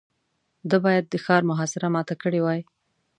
ده بايد د ښار محاصره ماته کړې وای.